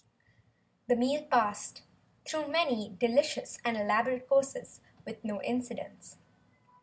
The meal passed, through many delicious and elaborate courses, with no incidents.